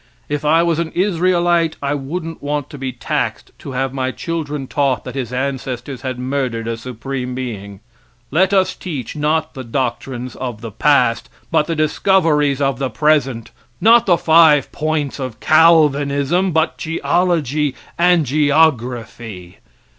If I was an Israelite I wouldn't want to be taxed to have my children taught that his ancestors had murdered a supreme being. Let us teach, not the doctrines of the past, but the discoveries of the present; not the five points of Calvinism, but geology and geography.